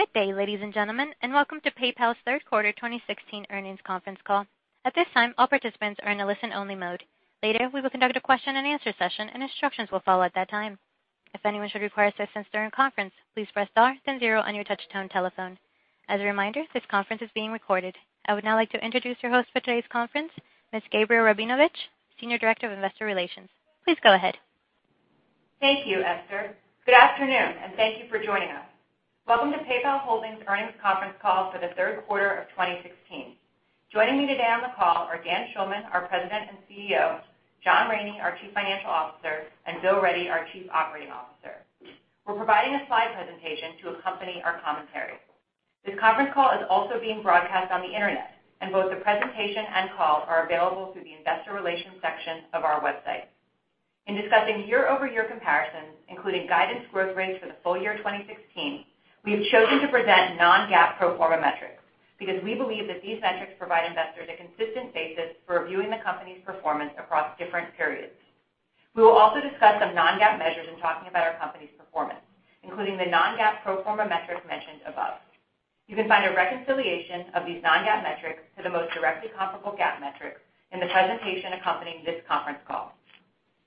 Good day, ladies and gentlemen, welcome to PayPal's third quarter 2016 earnings conference call. At this time, all participants are in a listen-only mode. Later, we will conduct a question and answer session and instructions will follow at that time. If anyone should require assistance during the conference, please press star then zero on your touchtone telephone. As a reminder, this conference is being recorded. I would now like to introduce your host for today's conference, Ms. Gabrielle Rabinovitch, Senior Director of Investor Relations. Please go ahead. Thank you, Esther. Good afternoon, thank you for joining us. Welcome to PayPal Holdings earnings conference call for the third quarter of 2016. Joining me today on the call are Dan Schulman, our President and CEO, John Rainey, our Chief Financial Officer, and Bill Ready, our Chief Operating Officer. We're providing a slide presentation to accompany our commentary. This conference call is also being broadcast on the internet, both the presentation and call are available through the investor relations section of our website. In discussing year-over-year comparisons, including guidance growth rates for the full year 2016, we have chosen to present non-GAAP pro forma metrics because we believe that these metrics provide investors a consistent basis for reviewing the company's performance across different periods. We will also discuss some non-GAAP measures in talking about our company's performance, including the non-GAAP pro forma metrics mentioned above. You can find a reconciliation of these non-GAAP metrics to the most directly comparable GAAP metrics in the presentation accompanying this conference call.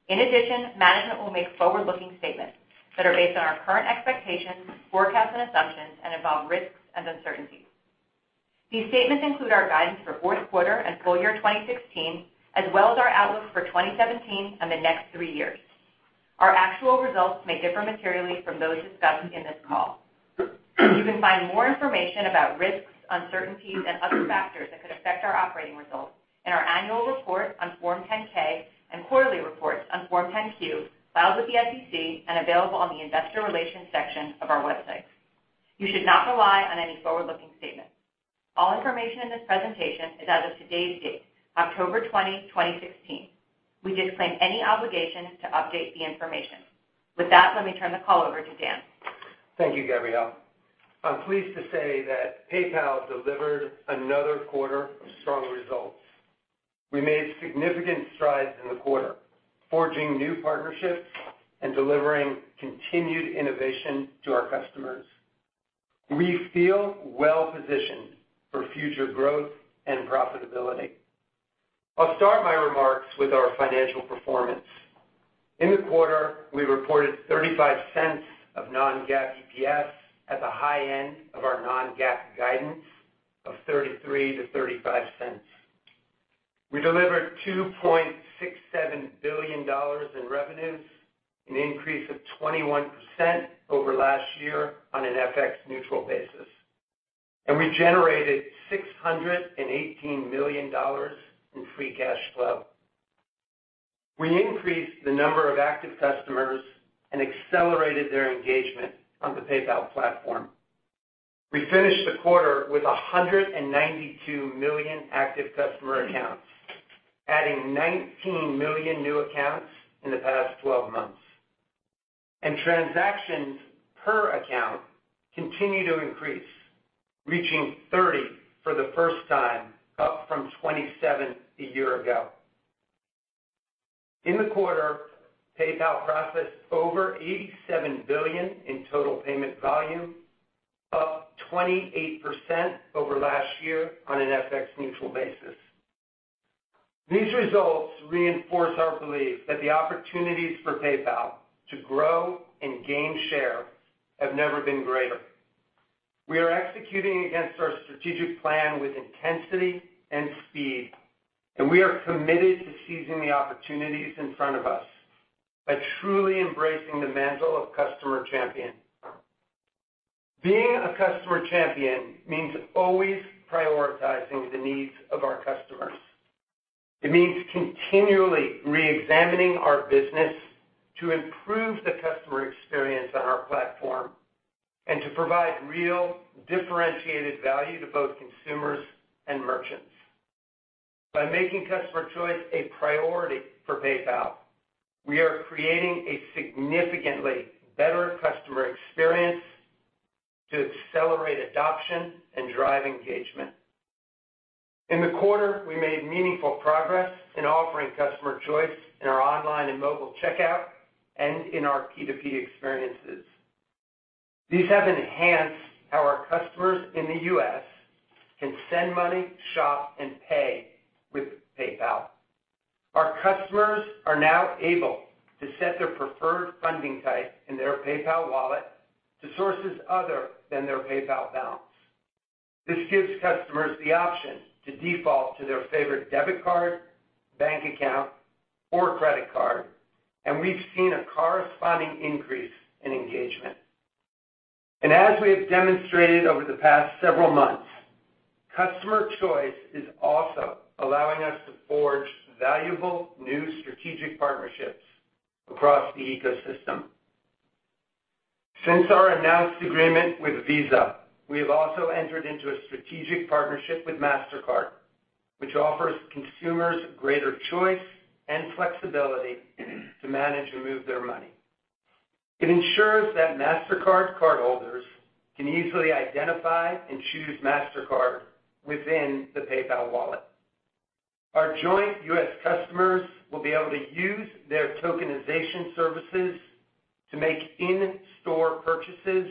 In addition, management will make forward-looking statements that are based on our current expectations, forecasts, and assumptions and involve risks and uncertainties. These statements include our guidance for fourth quarter and full year 2016, as well as our outlook for 2017 and the next three years. Our actual results may differ materially from those discussed in this call. You can find more information about risks, uncertainties, and other factors that could affect our operating results in our annual report on Form 10-K and quarterly reports on Form 10-Q filed with the SEC and available on the investor relations section of our website. You should not rely on any forward-looking statements. All information in this presentation is as of today's date, October 20, 2016. We disclaim any obligation to update the information. With that, let me turn the call over to Dan. Thank you, Gabrielle. I'm pleased to say that PayPal delivered another quarter of strong results. We made significant strides in the quarter, forging new partnerships and delivering continued innovation to our customers. We feel well-positioned for future growth and profitability. I'll start my remarks with our financial performance. In the quarter, we reported $0.35 of non-GAAP EPS at the high end of our non-GAAP guidance of $0.33-$0.35. We delivered $2.67 billion in revenues, an increase of 21% over last year on an FX-neutral basis. We generated $618 million in free cash flow. We increased the number of active customers and accelerated their engagement on the PayPal platform. We finished the quarter with 192 million active customer accounts, adding 19 million new accounts in the past 12 months. Transactions per account continue to increase, reaching 30 for the first time, up from 27 a year ago. In the quarter, PayPal processed over $87 billion in TPV, up 28% over last year on an FX-neutral basis. These results reinforce our belief that the opportunities for PayPal to grow and gain share have never been greater. We are executing against our strategic plan with intensity and speed. We are committed to seizing the opportunities in front of us by truly embracing the mantle of customer champion. Being a customer champion means always prioritizing the needs of our customers. It means continually re-examining our business to improve the customer experience on our platform and to provide real differentiated value to both consumers and merchants. By making customer choice a priority for PayPal, we are creating a significantly better customer experience to accelerate adoption and drive engagement. In the quarter, we made meaningful progress in offering customer choice in our online and mobile checkout and in our P2P experiences. These have enhanced how our customers in the U.S. can send money, shop, and pay with PayPal. Our customers are now able to set their preferred funding type in their PayPal wallet to sources other than their PayPal balance. This gives customers the option to default to their favorite debit card, bank account, or credit card, and we've seen a corresponding increase in engagement. As we have demonstrated over the past several months, customer choice is also allowing us to forge valuable new strategic partnerships across the ecosystem. Since our announced agreement with Visa, we have also entered into a strategic partnership with Mastercard, which offers consumers greater choice and flexibility to manage and move their money. It ensures that Mastercard cardholders can easily identify and choose Mastercard within the PayPal wallet. Our joint U.S. customers will be able to use their tokenization services to make in-store purchases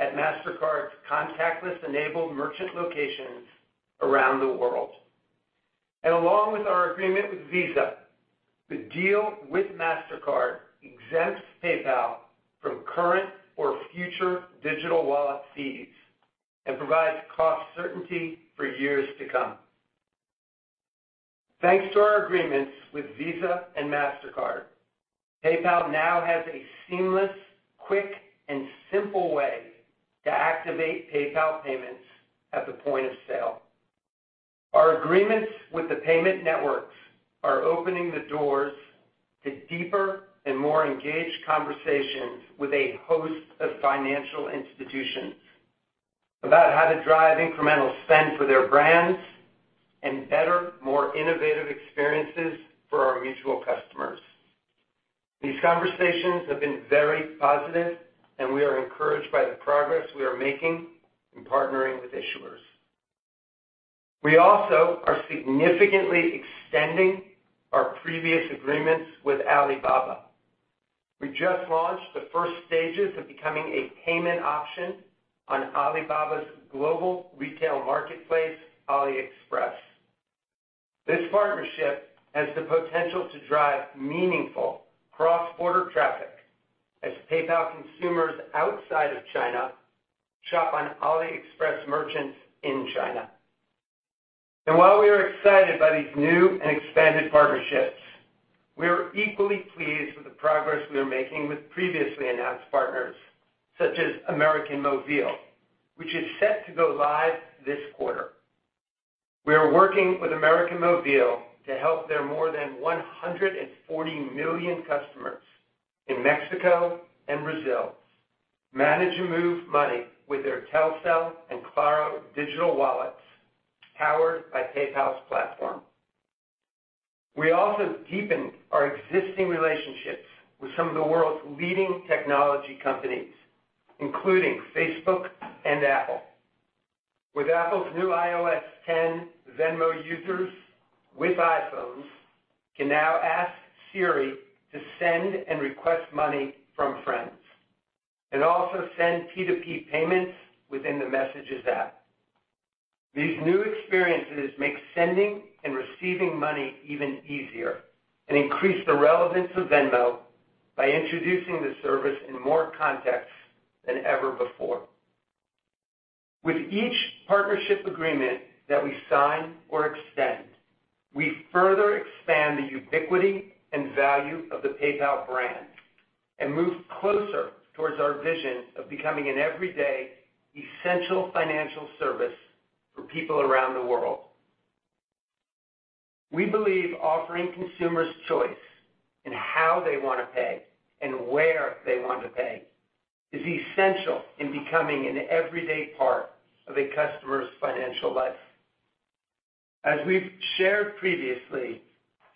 at Mastercard's contactless-enabled merchant locations around the world. Along with our agreement with Visa, the deal with Mastercard exempts PayPal from current or future digital wallet fees and provides cost certainty for years to come. Thanks to our agreements with Visa and Mastercard, PayPal now has a seamless, quick, and simple way to activate PayPal payments at the point of sale. Our agreements with the payment networks are opening the doors to deeper and more engaged conversations with a host of financial institutions about how to drive incremental spend for their brands and better, more innovative experiences for our mutual customers. These conversations have been very positive, and we are encouraged by the progress we are making in partnering with issuers. We also are significantly extending our previous agreements with Alibaba. We just launched the first stages of becoming a payment option on Alibaba's global retail marketplace, AliExpress. This partnership has the potential to drive meaningful cross-border traffic as PayPal consumers outside of China shop on AliExpress merchants in China. While we are excited by these new and expanded partnerships, we are equally pleased with the progress we are making with previously announced partners, such as América Móvil, which is set to go live this quarter. We are working with América Móvil to help their more than 140 million customers in Mexico and Brazil manage and move money with their Telcel and Claro digital wallets, powered by PayPal's platform. We also deepened our existing relationships with some of the world's leading technology companies, including Facebook and Apple. With Apple's new iOS 10, Venmo users with iPhones can now ask Siri to send and request money from friends, and also send P2P payments within the Messages app. These new experiences make sending and receiving money even easier and increase the relevance of Venmo by introducing the service in more contexts than ever before. With each partnership agreement that we sign or extend, we further expand the ubiquity and value of the PayPal brand and move closer towards our vision of becoming an everyday, essential financial service for people around the world. We believe offering consumers choice in how they want to pay and where they want to pay is essential in becoming an everyday part of a customer's financial life. As we've shared previously,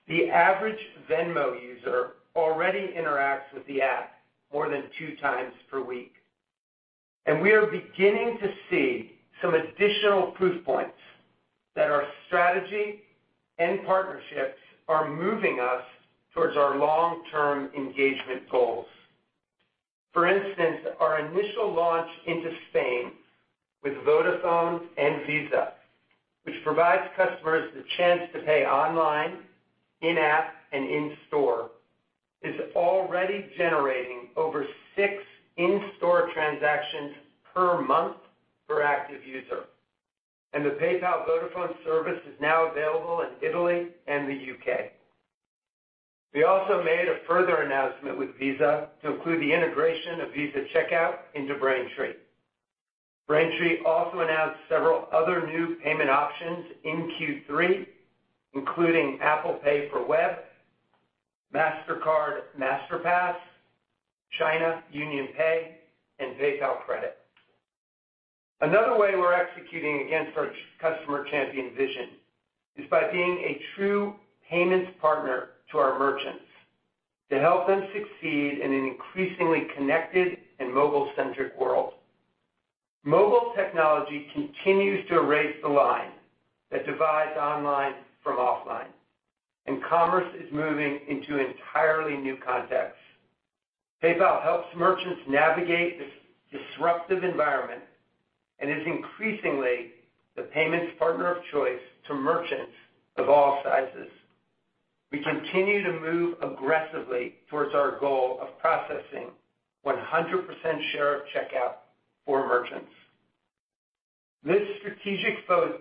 the average Venmo user already interacts with the app more than two times per week, and we are beginning to see some additional proof points that our strategy and partnerships are moving us towards our long-term engagement goals. For instance, our initial launch into Spain with Vodafone and Visa, which provides customers the chance to pay online, in-app, and in-store, is already generating over six in-store transactions per month per active user, and the PayPal Vodafone service is now available in Italy and the U.K. We also made a further announcement with Visa to include the integration of Visa Checkout into Braintree. Braintree also announced several other new payment options in Q3, including Apple Pay on the Web, Mastercard Masterpass, China UnionPay, and PayPal Credit. Another way we're executing against our customer champion vision is by being a true payments partner to our merchants to help them succeed in an increasingly connected and mobile-centric world. Mobile technology continues to erase the line that divides online from offline, and commerce is moving into entirely new contexts. PayPal helps merchants navigate this disruptive environment and is increasingly the payments partner of choice to merchants of all sizes. We continue to move aggressively towards our goal of processing 100% share of checkout for merchants. This strategic focus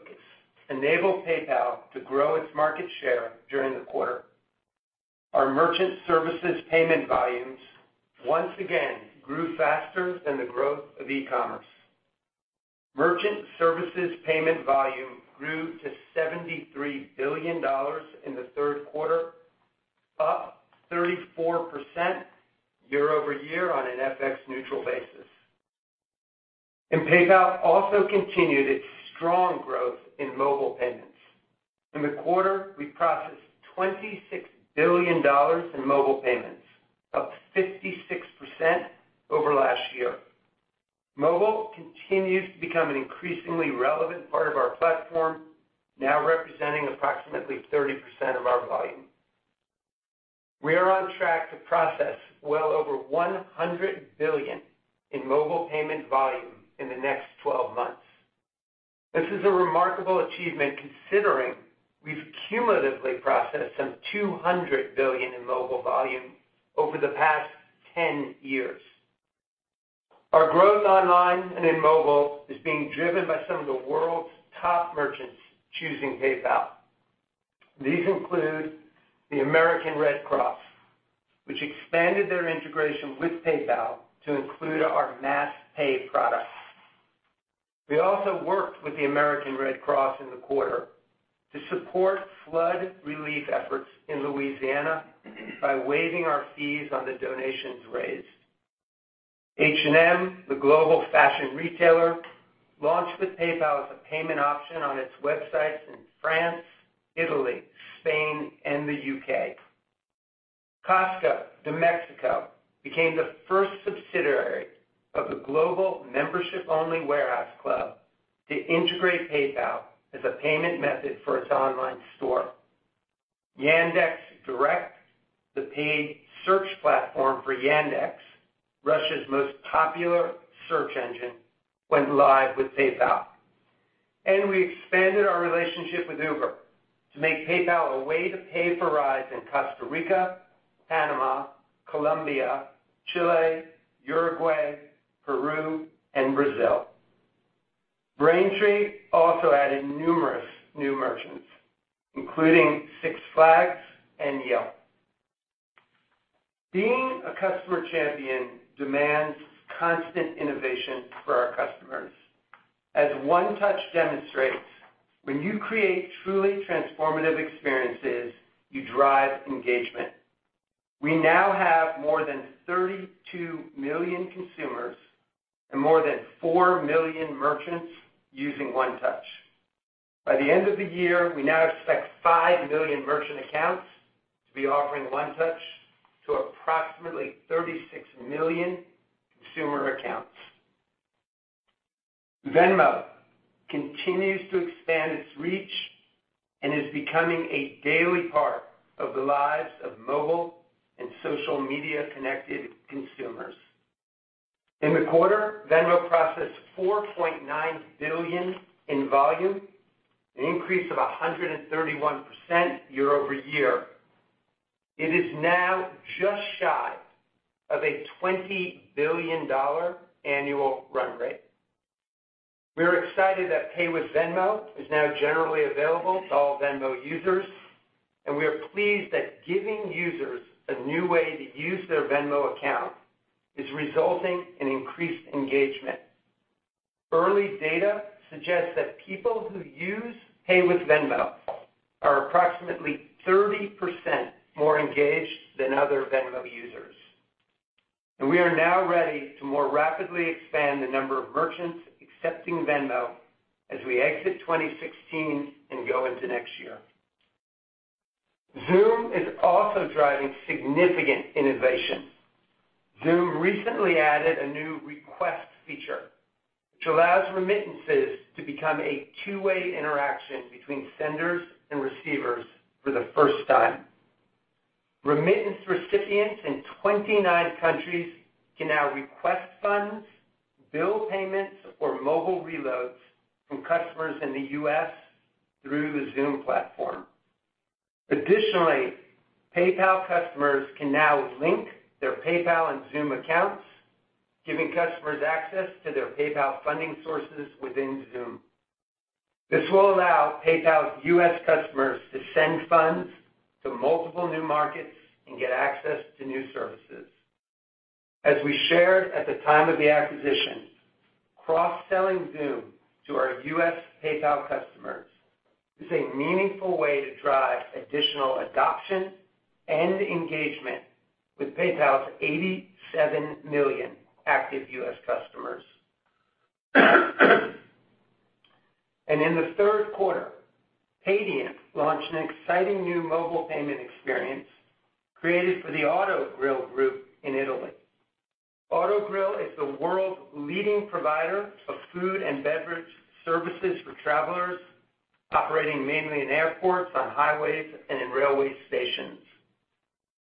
enabled PayPal to grow its market share during the quarter. Our merchant services payment volumes once again grew faster than the growth of e-commerce. Merchant services payment volume grew to $73 billion in the third quarter, up 34% year-over-year on an FX-neutral basis. PayPal also continued its strong growth in mobile payments. In the quarter, we processed $26 billion in mobile payments, up 56% over last year. Mobile continues to become an increasingly relevant part of our platform, now representing approximately 30% of our volume. We are on track to process well over $100 billion in mobile payment volume in the next 12 months. This is a remarkable achievement considering we've cumulatively processed some $200 billion in mobile volume over the past 10 years. Our growth online and in mobile is being driven by some of the world's top merchants choosing PayPal. These include the American Red Cross, which expanded their integration with PayPal to include our MassPay product. We also worked with the American Red Cross in the quarter to support flood relief efforts in Louisiana by waiving our fees on the donations raised. H&M, the global fashion retailer, launched with PayPal as a payment option on its websites in France, Italy, Spain, and the U.K. Costco de México became the first subsidiary of the global membership-only warehouse club to integrate PayPal as a payment method for its online store. Yandex.Direct, the paid search platform for Yandex, Russia's most popular search engine, went live with PayPal. We expanded our relationship with Uber to make PayPal a way to pay for rides in Costa Rica, Panama, Colombia, Chile, Uruguay, Peru, and Brazil. Braintree also added numerous new merchants, including Six Flags and Yelp. Being a customer champion demands constant innovation for our customers. As One Touch demonstrates, when you create truly transformative experiences, you drive engagement. We now have more than 32 million consumers and more than 4 million merchants using One Touch. By the end of the year, we now expect 5 million merchant accounts to be offering One Touch to approximately 36 million consumer accounts. Venmo continues to expand its reach and is becoming a daily part of the lives of mobile and social media-connected consumers. In the quarter, Venmo processed $4.9 billion in volume, an increase of 131% year-over-year. It is now just shy of a $20 billion annual run rate. We are excited that Pay with Venmo is now generally available to all Venmo users, and we are pleased that giving users a new way to use their Venmo account is resulting in increased engagement. Early data suggests that people who use Pay with Venmo are approximately 30% more engaged than other Venmo users. We are now ready to more rapidly expand the number of merchants accepting Venmo as we exit 2016 and go into next year. Xoom is also driving significant innovation. Xoom recently added a new request feature, which allows remittances to become a two-way interaction between senders and receivers for the first time. Remittance recipients in 29 countries can now request funds, bill payments, or mobile reloads from customers in the U.S. through the Xoom platform. Additionally, PayPal customers can now link their PayPal and Xoom accounts, giving customers access to their PayPal funding sources within Xoom. This will allow PayPal's U.S. customers to send funds to multiple new markets and get access to new services. As we shared at the time of the acquisition, cross-selling Xoom to our U.S. PayPal customers is a meaningful way to drive additional adoption and engagement with PayPal's 87 million active U.S. customers. In the third quarter, Paydiant launched an exciting new mobile payment experience created for the Autogrill group in Italy. Autogrill is the world's leading provider of food and beverage services for travelers, operating mainly in airports, on highways, and in railway stations.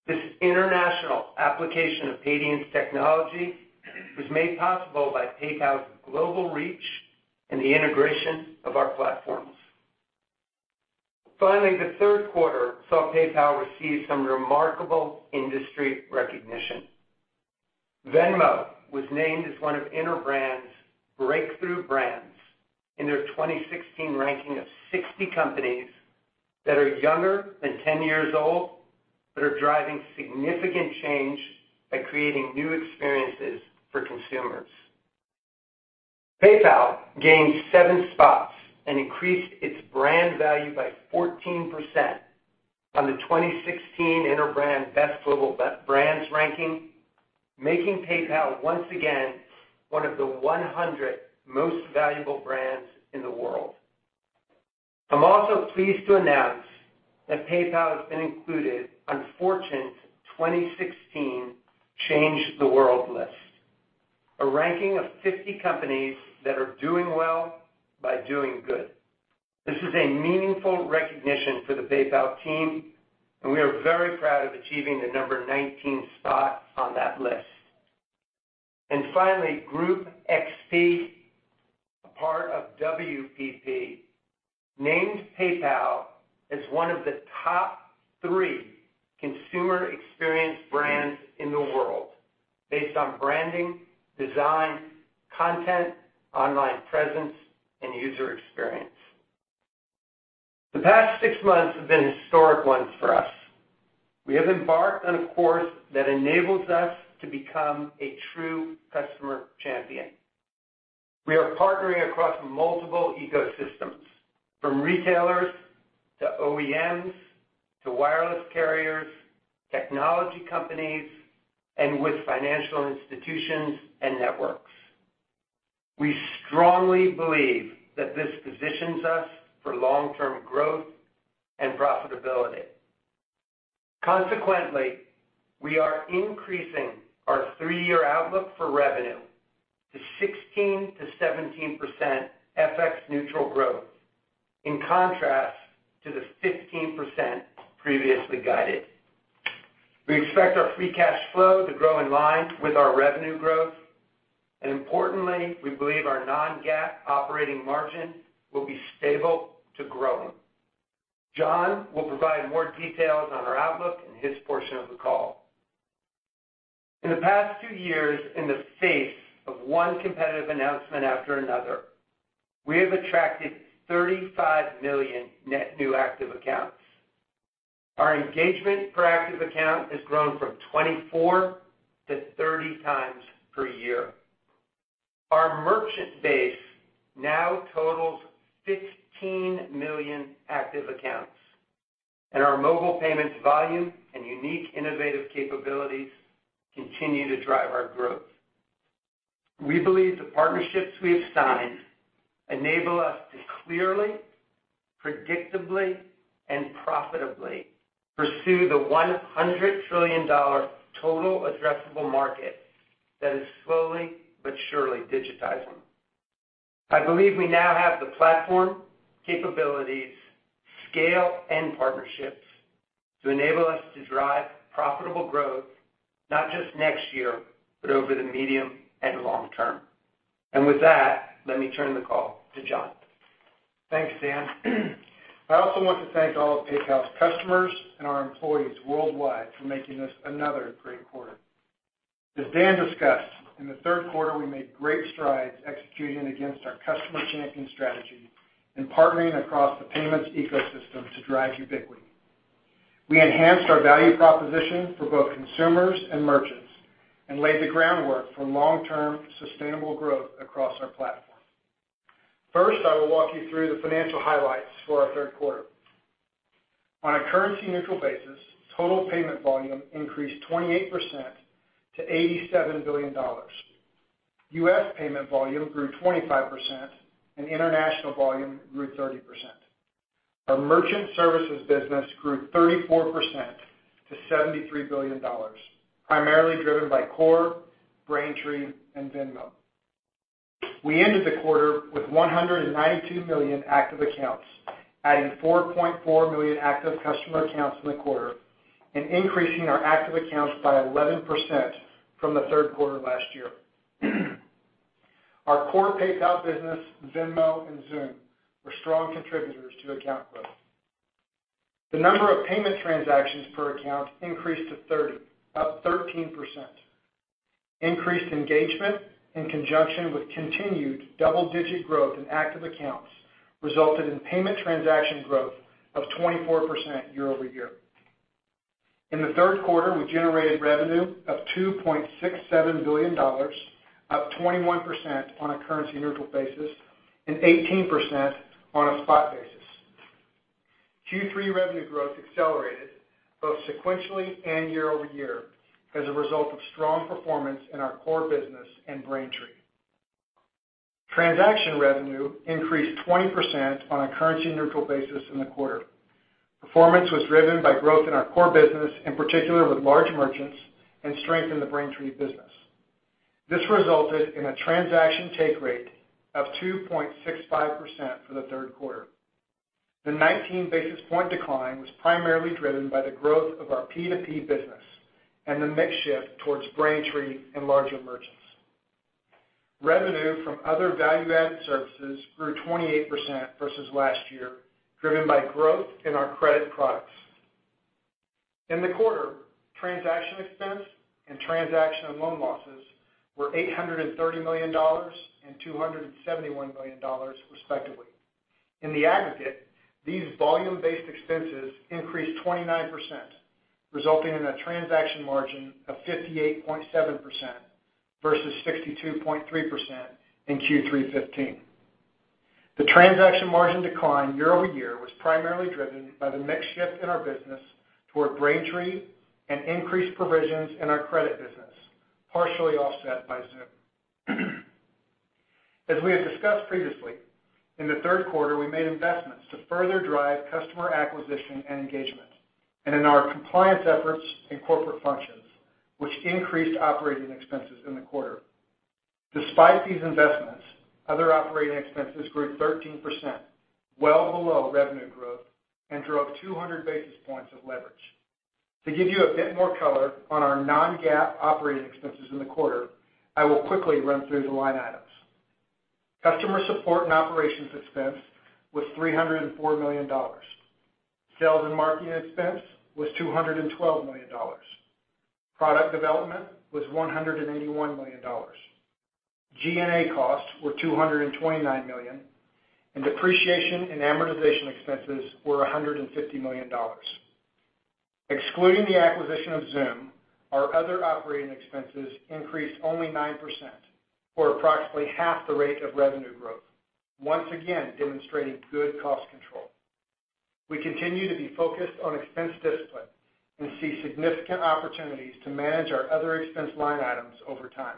This international application of Paydiant's technology was made possible by PayPal's global reach and the integration of our platforms. Finally, the third quarter saw PayPal receive some remarkable industry recognition. Venmo was named as one of Interbrand's Breakthrough Brands in their 2016 ranking of 60 companies that are younger than 10 years old, that are driving significant change by creating new experiences for consumers. PayPal gained seven spots and increased its brand value by 14% on the 2016 Interbrand Best Global Brands ranking, making PayPal, once again, one of the 100 most valuable brands in the world. I'm also pleased to announce that PayPal has been included on Fortune's 2016 Change the World list, a ranking of 50 companies that are doing well by doing good. This is a meaningful recognition for the PayPal team, and we are very proud of achieving the number 19 spot on that list. Finally, Group XP, a part of WPP, named PayPal as one of the top three consumer experience brands in the world based on branding, design, content, online presence, and user experience. The past six months have been historic ones for us. We have embarked on a course that enables us to become a true customer champion. We are partnering across multiple ecosystems, from retailers to OEMs, to wireless carriers, technology companies, and with financial institutions and networks. We strongly believe that this positions us for long-term growth and profitability. Consequently, we are increasing our three-year outlook for revenue to 16%-17% FX-neutral growth, in contrast to the 15% previously guided. We expect our free cash flow to grow in line with our revenue growth. Importantly, we believe our non-GAAP operating margin will be stable to growing. John will provide more details on our outlook in his portion of the call. In the past two years, in the face of one competitive announcement after another, we have attracted 35 million net new active accounts. Our engagement per active account has grown from 24-30 times per year. Our merchant base now totals 15 million active accounts, and our mobile payments volume and unique innovative capabilities continue to drive our growth. We believe the partnerships we have signed enable us to clearly, predictably, and profitably pursue the $100 trillion total addressable market that is slowly but surely digitizing. I believe we now have the platform, capabilities, scale, and partnerships to enable us to drive profitable growth, not just next year, but over the medium and long term. With that, let me turn the call to John. Thanks, Dan. I also want to thank all of PayPal's customers and our employees worldwide for making this another great quarter. As Dan discussed, in the third quarter, we made great strides executing against our customer champion strategy and partnering across the payments ecosystem to drive ubiquity. We enhanced our value proposition for both consumers and merchants and laid the groundwork for long-term sustainable growth across our platform. First, I will walk you through the financial highlights for our third quarter. On a currency-neutral basis, total payment volume increased 28% to $87 billion. U.S. payment volume grew 25%, and international volume grew 30%. Our merchant services business grew 34% to $73 billion, primarily driven by Core, Braintree, and Venmo. We ended the quarter with 192 million active accounts, adding 4.4 million active customer accounts in the quarter and increasing our active accounts by 11% from the third quarter last year. Our core PayPal business, Venmo, and Xoom were strong contributors to account growth. The number of payment transactions per account increased to 30, up 13%. Increased engagement in conjunction with continued double-digit growth in active accounts resulted in payment transaction growth of 24% year-over-year. In the third quarter, we generated revenue of $2.67 billion, up 21% on a currency-neutral basis and 18% on a spot basis. Q3 revenue growth accelerated both sequentially and year-over-year as a result of strong performance in our core business and Braintree. Transaction revenue increased 20% on a currency-neutral basis in the quarter. Performance was driven by growth in our core business, in particular with large merchants, and strength in the Braintree business. This resulted in a transaction take rate of 2.65% for the third quarter. The 19 basis point decline was primarily driven by the growth of our P2P business and the mix shift towards Braintree and larger merchants. Revenue from other value-added services grew 28% versus last year, driven by growth in our credit products. In the quarter, transaction expense and transaction and loan losses were $830 million and $271 million respectively. In the aggregate, these volume-based expenses increased 29%, resulting in a transaction margin of 58.7% versus 62.3% in Q3 2015. The transaction margin decline year-over-year was primarily driven by the mix shift in our business toward Braintree and increased provisions in our credit business, partially offset by Xoom. As we had discussed previously, in the third quarter, we made investments to further drive customer acquisition and engagement, and in our compliance efforts and corporate functions, which increased operating expenses in the quarter. Despite these investments, other operating expenses grew 13%, well below revenue growth, and drove 200 basis points of leverage. To give you a bit more color on our non-GAAP operating expenses in the quarter, I will quickly run through the line items. Customer support and operations expense was $304 million. Sales and marketing expense was $212 million. Product development was $181 million. G&A costs were $229 million, and depreciation and amortization expenses were $150 million. Excluding the acquisition of Xoom, our other operating expenses increased only 9%, or approximately half the rate of revenue growth, once again demonstrating good cost control. We continue to be focused on expense discipline and see significant opportunities to manage our other expense line items over time.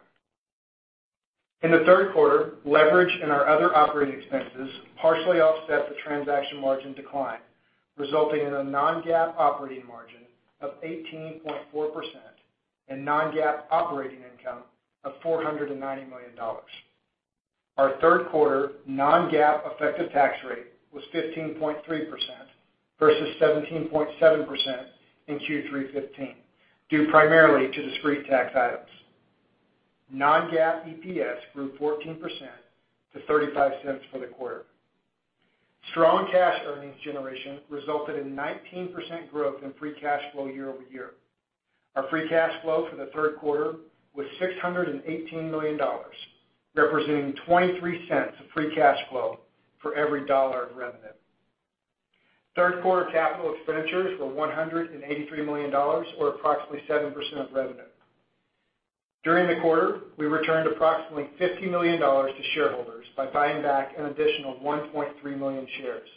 In the third quarter, leverage in our other operating expenses partially offset the transaction margin decline, resulting in a non-GAAP operating margin of 18.4% and non-GAAP operating income of $490 million. Our third quarter non-GAAP effective tax rate was 15.3% versus 17.7% in Q3 2015, due primarily to discrete tax items. non-GAAP EPS grew 14% to $0.35 for the quarter. Strong cash earnings generation resulted in 19% growth in free cash flow year-over-year. Our free cash flow for the third quarter was $618 million, representing $0.23 of free cash flow for every dollar of revenue. Third quarter CapEx were $183 million, or approximately 7% of revenue. During the quarter, we returned approximately $50 million to shareholders by buying back an additional 1.3 million shares.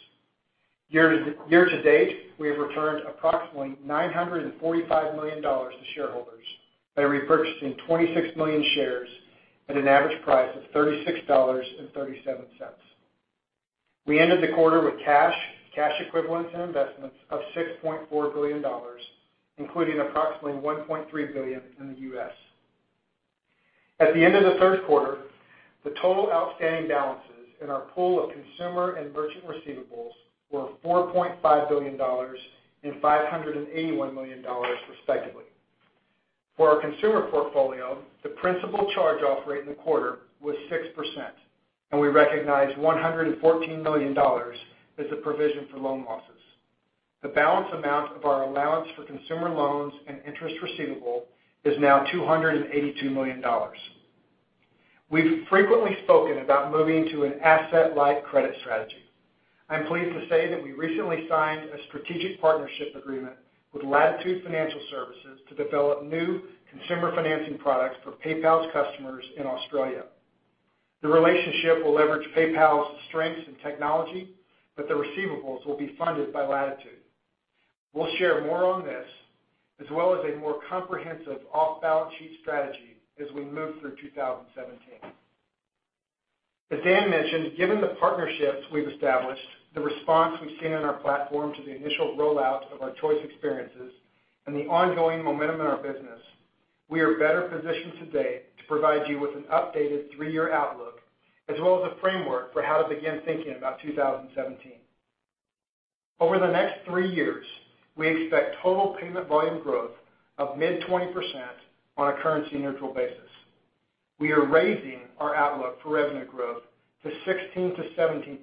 Year-to-date, we have returned approximately $945 million to shareholders by repurchasing 26 million shares at an average price of $36.37. We ended the quarter with cash equivalents, and investments of $6.4 billion, including approximately $1.3 billion in the U.S. At the end of the third quarter, the total outstanding balances in our pool of consumer and merchant receivables were $4.5 billion and $581 million respectively. For our consumer portfolio, the principal charge-off rate in the quarter was 6%, and we recognized $114 million as a provision for loan losses. The balance amount of our allowance for consumer loans and interest receivable is now $282 million. We've frequently spoken about moving to an asset-light credit strategy. I'm pleased to say that we recently signed a strategic partnership agreement with Latitude Financial Services to develop new consumer financing products for PayPal's customers in Australia. The relationship will leverage PayPal's strengths in technology, but the receivables will be funded by Latitude. We'll share more on this, as well as a more comprehensive off-balance sheet strategy as we move through 2017. As Dan mentioned, given the partnerships we've established, the response we've seen on our platform to the initial rollout of our choice experiences, and the ongoing momentum in our business, we are better positioned today to provide you with an updated three-year outlook, as well as a framework for how to begin thinking about 2017. Over the next three years, we expect total payment volume growth of mid-20% on a currency-neutral basis. We are raising our outlook for revenue growth to 16%-17%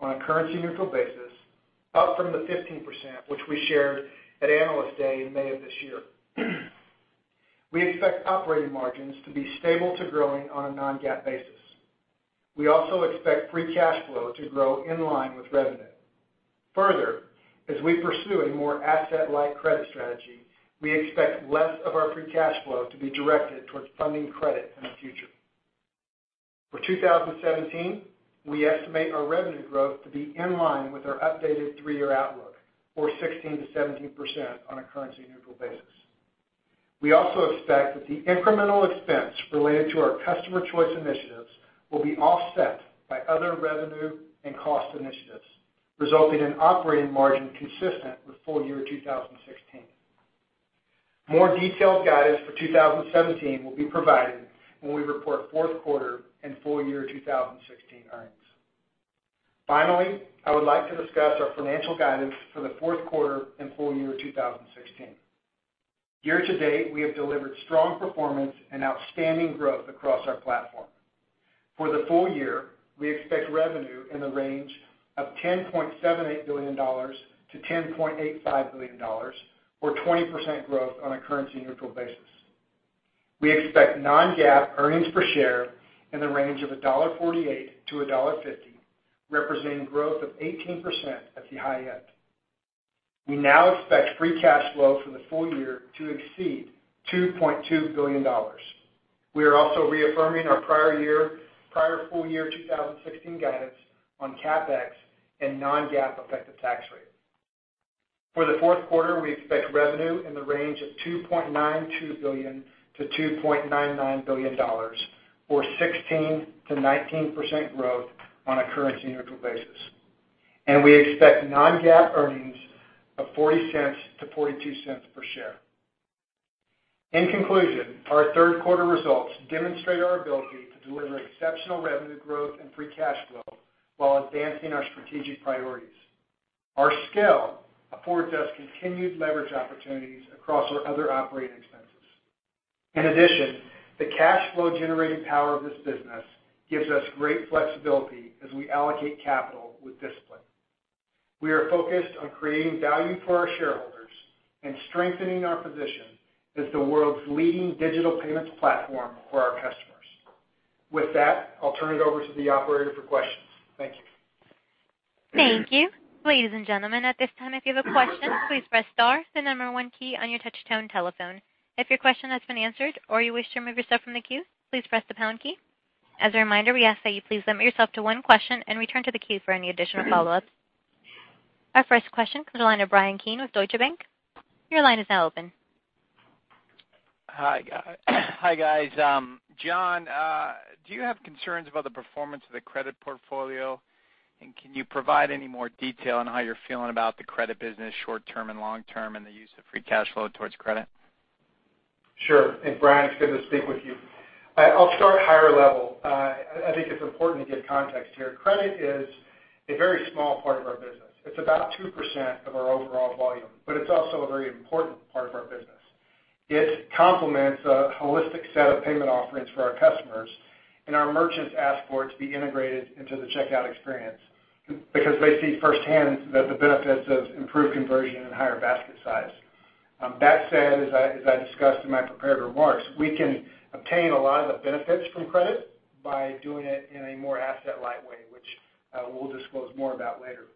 on a currency-neutral basis, up from the 15% which we shared at Analyst Day in May of this year. We expect operating margins to be stable to growing on a non-GAAP basis. We also expect free cash flow to grow in line with revenue. Further, as we pursue a more asset-light credit strategy, we expect less of our free cash flow to be directed towards funding credit in the future. For 2017, we estimate our revenue growth to be in line with our updated three-year outlook, or 16%-17% on a currency-neutral basis. We also expect that the incremental expense related to our customer choice initiatives will be offset by other revenue and cost initiatives, resulting in operating margin consistent with full-year 2016. More detailed guidance for 2017 will be provided when we report fourth quarter and full-year 2016 earnings. Finally, I would like to discuss our financial guidance for the fourth quarter and full year 2016. Year-to-date, we have delivered strong performance and outstanding growth across our platform. For the full year, we expect revenue in the range of $10.78 billion-$10.85 billion, or 20% growth on a currency-neutral basis. We expect non-GAAP earnings per share in the range of $1.48 to $1.50, representing growth of 18% at the high end. We now expect free cash flow for the full year to exceed $2.2 billion. We are also reaffirming our prior full-year 2016 guidance on CapEx and non-GAAP effective tax rate. For the fourth quarter, we expect revenue in the range of $2.92 billion to $2.99 billion, or 16%-19% growth on a currency neutral basis. We expect non-GAAP earnings of $0.40 to $0.42 per share. In conclusion, our third quarter results demonstrate our ability to deliver exceptional revenue growth and free cash flow while advancing our strategic priorities. Our scale affords us continued leverage opportunities across our other operating expenses. In addition, the cash flow generating power of this business gives us great flexibility as we allocate capital with discipline. We are focused on creating value for our shareholders and strengthening our position as the world's leading digital payments platform for our customers. With that, I'll turn it over to the operator for questions. Thank you. Thank you. Ladies and gentlemen, at this time, if you have a question, please press star then number 1 key on your touchtone telephone. If your question has been answered or you wish to remove yourself from the queue, please press the pound key. As a reminder, we ask that you please limit yourself to one question and return to the queue for any additional follow-ups. Our first question comes the line of Bryan Keane with Deutsche Bank. Your line is now open. Hi guys. John, do you have concerns about the performance of the credit portfolio? Can you provide any more detail on how you're feeling about the credit business short-term and long-term and the use of free cash flow towards credit? Sure. Bryan, it's good to speak with you. I'll start higher level. I think it's important to give context here. Credit is a very small part of our business. It's about 2% of our overall volume, but it's also a very important part of our business. It complements a holistic set of payment offerings for our customers, and our merchants ask for it to be integrated into the checkout experience because they see firsthand the benefits of improved conversion and higher basket size. That said, as I discussed in my prepared remarks, we can obtain a lot of the benefits from credit by doing it in a more asset light way, which we'll disclose more about later.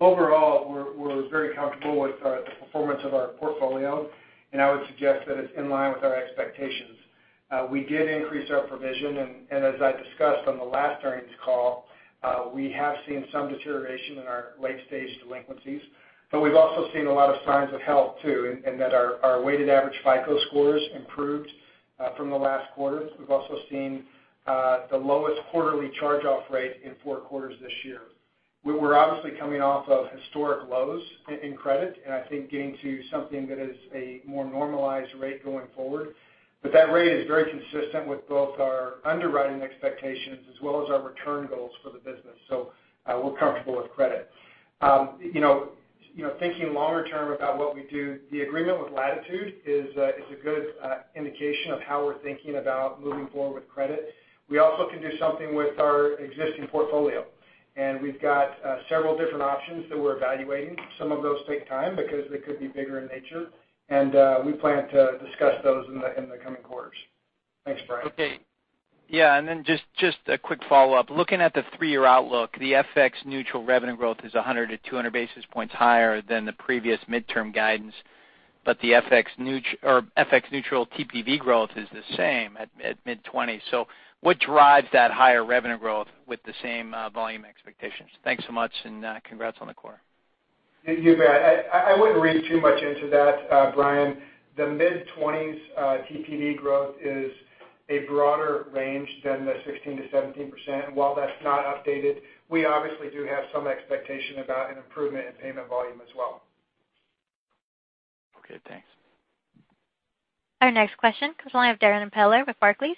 Overall, we're very comfortable with the performance of our portfolio, and I would suggest that it's in line with our expectations. We did increase our provision. As I discussed on the last earnings call, we have seen some deterioration in our late-stage delinquencies, we've also seen a lot of signs of health too, in that our weighted average FICO scores improved from the last quarter. We've also seen the lowest quarterly charge-off rate in four quarters this year. We're obviously coming off of historic lows in credit, I think getting to something that is a more normalized rate going forward. That rate is very consistent with both our underwriting expectations as well as our return goals for the business. We're comfortable with credit. Thinking longer term about what we do, the agreement with Latitude is a good indication of how we're thinking about moving forward with credit. We also can do something with our existing portfolio, and we've got several different options that we're evaluating. Some of those take time because they could be bigger in nature. We plan to discuss those in the coming quarters. Thanks, Bryan. Okay. Yeah, just a quick follow-up. Looking at the three-year outlook, the FX-neutral revenue growth is 100 to 200 basis points higher than the previous midterm guidance. The FX-neutral TPV growth is the same at mid 20s. What drives that higher revenue growth with the same volume expectations? Thanks so much. Congrats on the quarter. You bet. I wouldn't read too much into that, Bryan. The mid-20s TPV growth is a broader range than the 16%-17%. While that's not updated, we obviously do have some expectation about an improvement in payment volume as well. Okay, thanks. Our next question comes on the line of Darrin Peller with Barclays.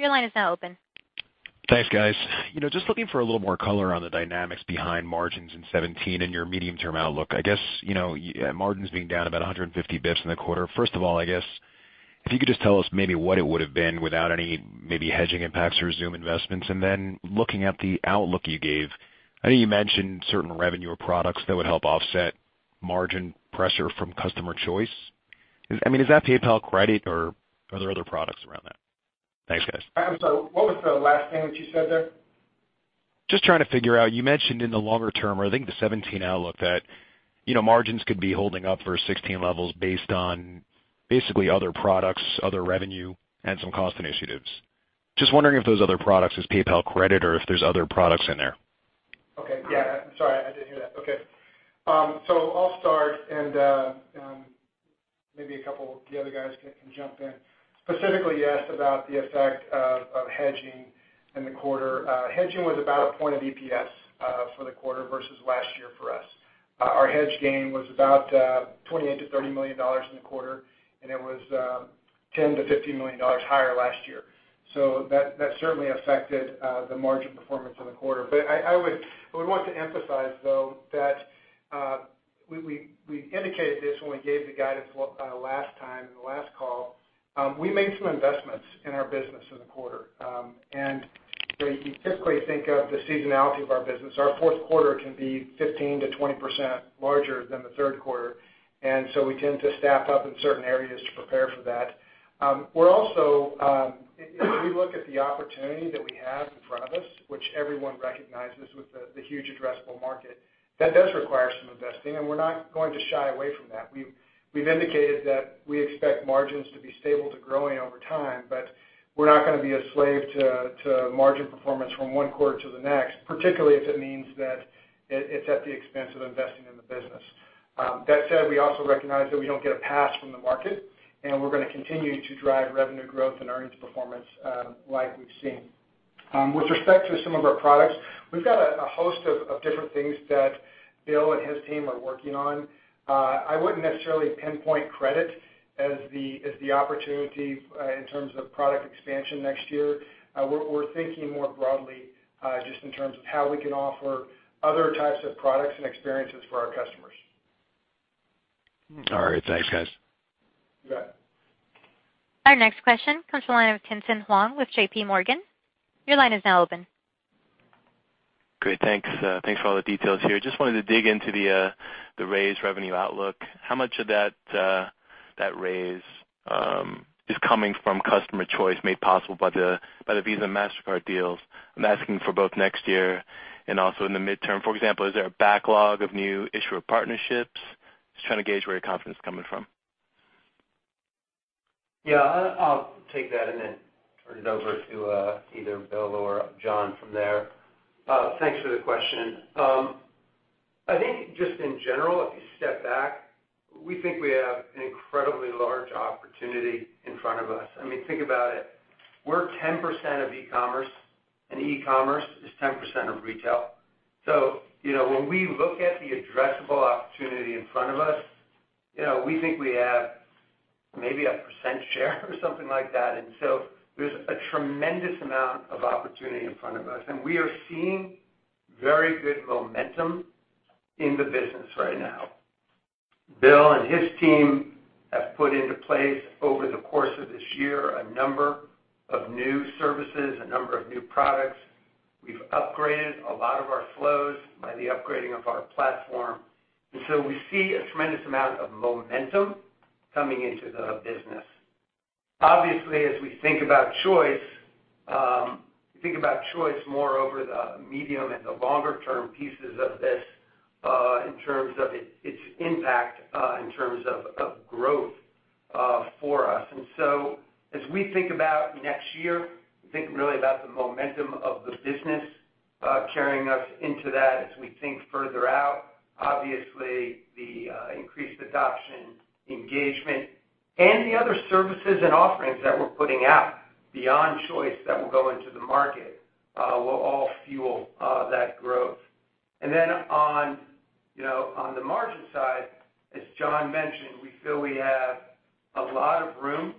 Your line is now open. Thanks, guys. Just looking for a little more color on the dynamics behind margins in 2017 and your medium-term outlook. I guess margins being down about 150 basis points in the quarter. First of all, I guess if you could just tell us maybe what it would've been without any maybe hedging impacts or Xoom investments. Looking at the outlook you gave, I know you mentioned certain revenue or products that would help offset margin pressure from customer choice. Is that PayPal Credit or are there other products around that? Thanks, guys. I'm sorry, what was the last thing that you said there? Just trying to figure out, you mentioned in the longer term, or I think the 2017 outlook, that margins could be holding up for 2016 levels based on basically other products, other revenue, and some cost initiatives. Just wondering if those other products is PayPal Credit or if there's other products in there. Okay. Yeah. Sorry, I didn't hear that. Okay. I'll start and maybe a couple of the other guys can jump in. Specifically, you asked about the effect of hedging in the quarter. Hedging was about a point of EPS for the quarter versus last year for us. Our hedge gain was about $28 million-$30 million in the quarter, and it was $10 million-$15 million higher last year. That certainly affected the margin performance in the quarter. I would want to emphasize though that we indicated this when we gave the guidance last time in the last call. We made some investments in our business in the quarter. You typically think of the seasonality of our business. Our fourth quarter can be 15%-20% larger than the third quarter, and we tend to staff up in certain areas to prepare for that. We look at the opportunity that we have in front of us, which everyone recognizes with the huge addressable market. That does require some investing, and we're not going to shy away- that. We've indicated that we expect margins to be stable to growing over time, but we're not going to be a slave to margin performance from one quarter to the next, particularly if it means that it's at the expense of investing in the business. That said, we also recognize that we don't get a pass from the market, and we're going to continue to drive revenue growth and earnings performance like we've seen. With respect to some of our products, we've got a host of different things that Bill and his team are working on. I wouldn't necessarily pinpoint credit as the opportunity in terms of product expansion next year. We're thinking more broadly just in terms of how we can offer other types of products and experiences for our customers. All right. Thanks, guys. You bet. Our next question comes from the line of Tien-Tsin Huang with J.P. Morgan. Your line is now open. Great. Thanks for all the details here. Just wanted to dig into the raise revenue outlook. How much of that raise is coming from customer choice made possible by the Visa and Mastercard deals? I'm asking for both next year and also in the midterm. For example, is there a backlog of new issuer partnerships? Just trying to gauge where your confidence is coming from. I'll take that and then turn it over to either Bill or John from there. Thanks for the question. I think just in general, if you step back, we think we have an incredibly large opportunity in front of us. Think about it. We're 10% of e-commerce, and e-commerce is 10% of retail. When we look at the addressable opportunity in front of us, we think we have maybe a percent share or something like that. There's a tremendous amount of opportunity in front of us, and we are seeing very good momentum in the business right now. Bill and his team have put into place over the course of this year, a number of new services, a number of new products. We've upgraded a lot of our flows by the upgrading of our platform. We see a tremendous amount of momentum coming into the business. Obviously, as we think about choice, we think about choice more over the medium and the longer term pieces of this in terms of its impact in terms of growth for us. As we think about next year, we think really about the momentum of the business carrying us into that as we think further out. Obviously, the increased adoption, engagement, and the other services and offerings that we're putting out beyond choice that will go into the market will all fuel that growth. Then on the margin side, as John mentioned, we feel we have a lot of room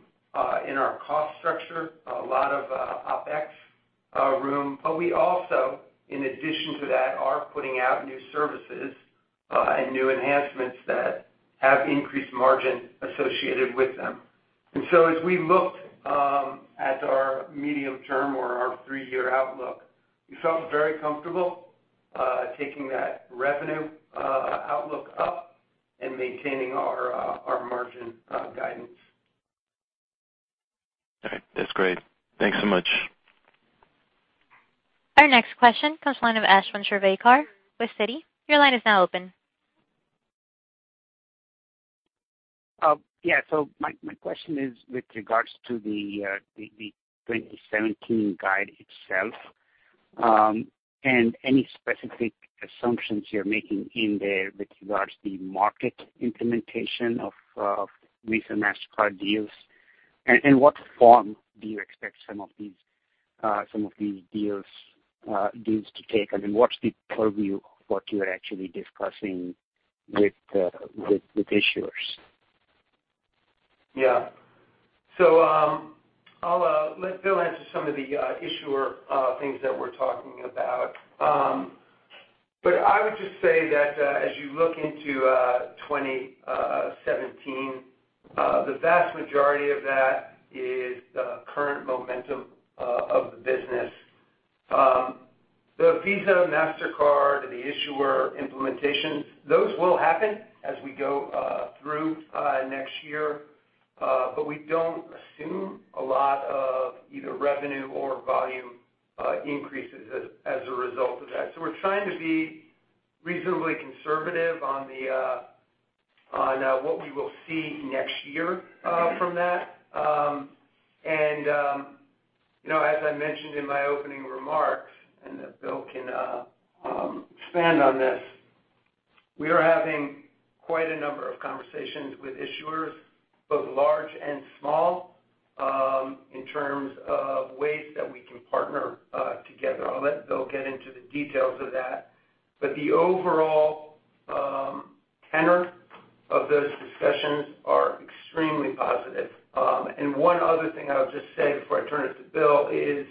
in our cost structure, a lot of OpEx room. We also, in addition to that, are putting out new services and new enhancements that have increased margin associated with them. As we looked at our medium term or our three-year outlook, we felt very comfortable taking that revenue outlook up and maintaining our margin guidance. All right. That's great. Thanks so much. Our next question comes from the line of Ashwin Shirvaikar with Citi. Your line is now open. Yeah. My question is with regards to the 2017 guide itself and any specific assumptions you're making in there with regards the market implementation of Visa, Mastercard deals, and what form do you expect some of these deals to take, what's the purview of what you're actually discussing with issuers? Yeah. I'll let Bill answer some of the issuer things that we're talking about. I would just say that as you look into 2017 the vast majority of that is the current momentum of the business. The Visa, Mastercard, the issuer implementation, those will happen as we go through next year we don't assume a lot of either revenue or volume increases as a result of that. We're trying to be reasonably conservative on what we will see next year from that. As I mentioned in my opening remarks, Bill can expand on this, we are having quite a number of conversations with issuers, both large and small, in terms of ways that we can partner together. I'll let Bill get into the details of that. The overall tenor of those discussions are extremely positive. One other thing I'll just say before I turn it to Bill is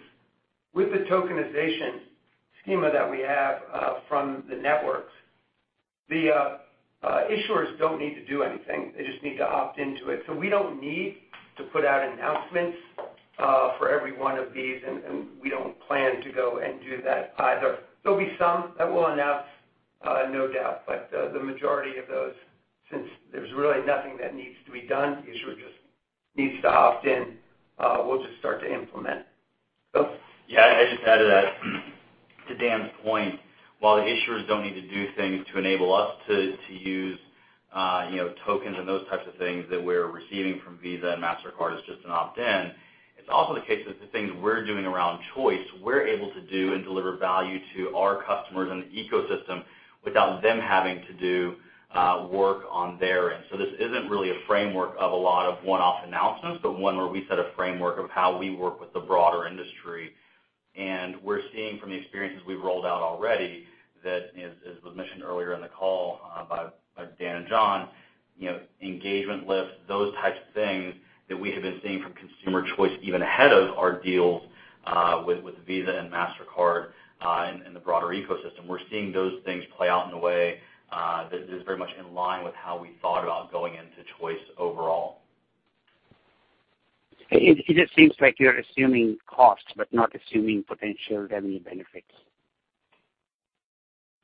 with the tokenization schema that we have from the networks, the issuers don't need to do anything. They just need to opt into it. We don't need to put out announcements for every one of these, and we don't plan to go and do that either. There'll be some that we'll announce, no doubt, but the majority of those, since there's really nothing that needs to be done, the issuer just needs to opt-in, we'll just start to implement. Yeah. I just added that to Dan's point. While the issuers don't need to do things to enable us to use tokens and those types of things that we're receiving from Visa and Mastercard is just an opt-in, it's also the case that the things we're doing around choice, we're able to do and deliver value to our customers and the ecosystem without them having to do work on their end. This isn't really a framework of a lot of one-off announcements, but one where we set a framework of how we work with the broader industry. We're seeing from the experiences we've rolled out already that, as was mentioned earlier in the call by Dan and John, engagement lift, those types of things that we have been seeing from consumer choice even ahead of our deals with Visa and Mastercard, and the broader ecosystem. We're seeing those things play out in a way that is very much in line with how we thought about going into choice overall. It just seems like you're assuming cost, but not assuming potential revenue benefits.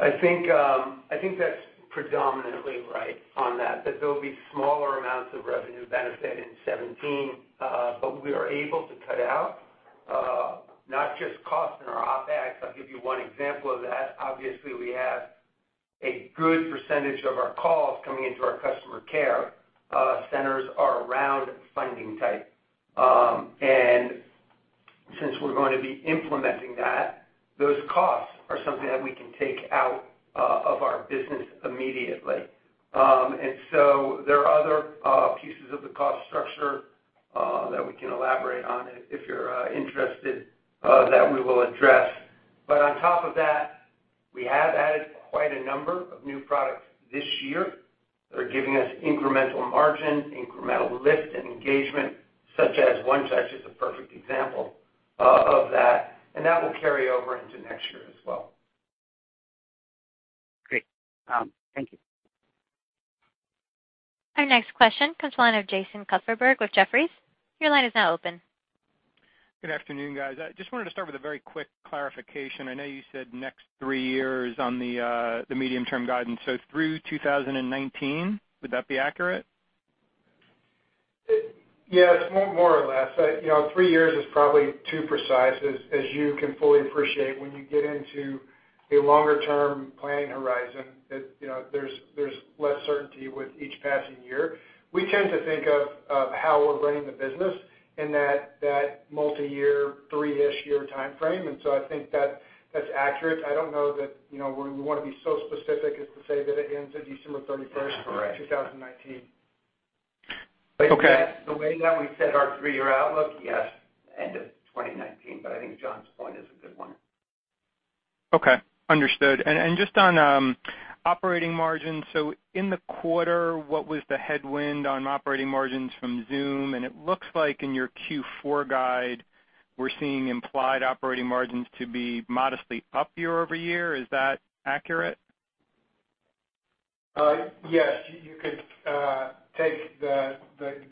I think that's predominantly right on that there'll be smaller amounts of revenue benefit in 2017. We are able to cut out not just cost in our OpEx. I'll give you one example of that. Obviously, we have a good percentage of our calls coming into our customer care centers are around funding type. Since we're going to be implementing that, those costs are something that we can take out of our business immediately. There are other pieces of the cost structure that we can elaborate on if you're interested, that we will address. On top of that, we have added quite a number of new products this year that are giving us incremental margin, incremental lift, and engagement, such as One Touch is a perfect example of that, and that will carry over into next year as well. Great. Thank you. Our next question comes the line of Jason Kupferberg with Jefferies. Your line is now open. Good afternoon, guys. I just wanted to start with a very quick clarification. I know you said next three years on the medium-term guidance, so through 2019, would that be accurate? Yes, more or less. Three years is probably too precise, as you can fully appreciate when you get into a longer-term planning horizon that there's less certainty with each passing year. We tend to think of how we're running the business in that multi-year, three-ish year timeframe. I think that's accurate. I don't know that we want to be so specific as to say that it ends at December 31st- Correct of 2019. Okay. That's the way that we set our three-year outlook. Yes, end of 2019. I think John's point is a good one. Okay, understood. Just on operating margin. In the quarter, what was the headwind on operating margins from Xoom? It looks like in your Q4 guide, we're seeing implied operating margins to be modestly up year-over-year. Is that accurate? Yes. You could take the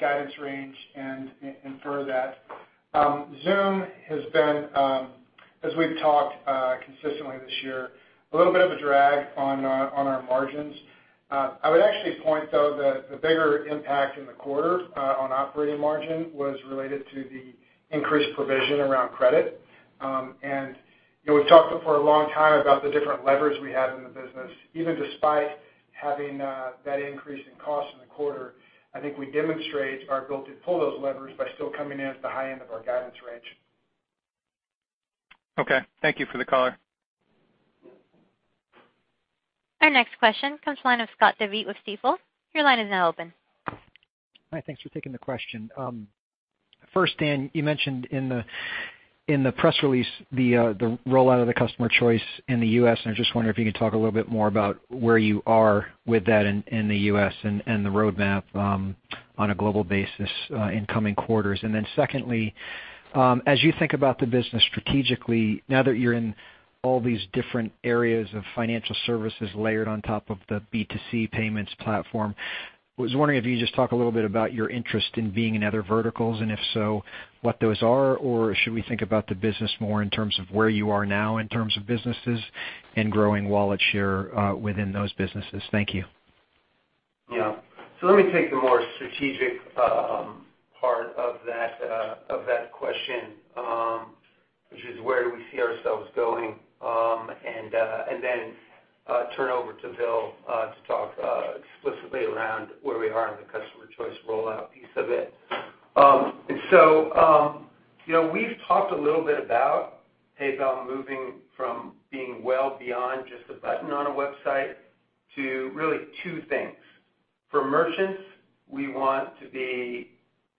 guidance range and infer that. Xoom has been, as we've talked consistently this year, a little bit of a drag on our margins. I would actually point, though, that the bigger impact in the quarter on operating margin was related to the increased provision around credit. We've talked for a long time about the different levers we have in the business. Even despite having that increase in cost in the quarter, I think we demonstrate our ability to pull those levers by still coming in at the high end of our guidance range. Okay. Thank you for the color. Our next question comes the line of Scott Devitt with Stifel. Your line is now open. Hi, thanks for taking the question. First, Dan, you mentioned in the press release the rollout of the customer choice in the U.S., I just wonder if you could talk a little bit more about where you are with that in the U.S. and the roadmap on a global basis in coming quarters. Then secondly, as you think about the business strategically, now that you're in all these different areas of financial services layered on top of the B2C payments platform, was wondering if you could just talk a little bit about your interest in being in other verticals, and if so, what those are? Or should we think about the business more in terms of where you are now, in terms of businesses and growing wallet share within those businesses? Thank you. Let me take the more strategic part of that question, which is where do we see ourselves going? Then turn over to Bill to talk explicitly around where we are in the customer choice rollout piece of it. We've talked a little bit about PayPal moving from being well beyond just a button on a website to really two things. For merchants, we want to be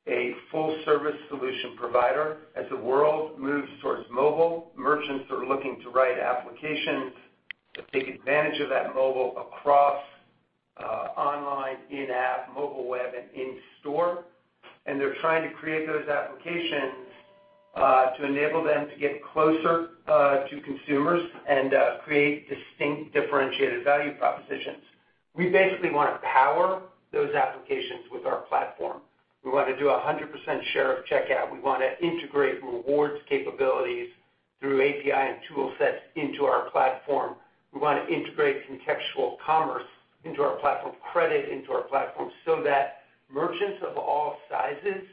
a full-service solution provider. As the world moves towards mobile, merchants are looking to write applications to take advantage of that mobile across online, in-app, mobile web, and in-store. They're trying to create those applications to enable them to get closer to consumers and create distinct differentiated value propositions. We basically want to power those applications with our platform. We want to do 100% share of checkout. We want to integrate rewards capabilities Through API and tool sets into our platform. We want to integrate contextual commerce into our platform, credit into our platform, so that merchants of all sizes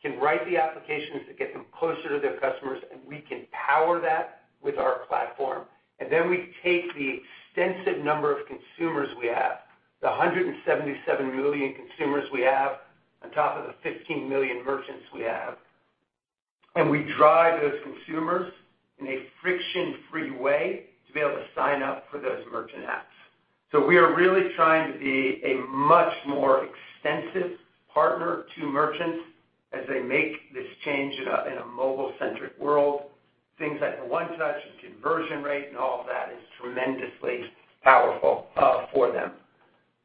can write the applications that get them closer to their customers, and we can power that with our platform. Then we take the extensive number of consumers we have, the 177 million consumers we have on top of the 15 million merchants we have, we drive those consumers in a friction-free way to be able to sign up for those merchant apps. We are really trying to be a much more extensive partner to merchants as they make this change in a mobile-centric world. Things like the One Touch, the conversion rate, and all of that is tremendously powerful for them.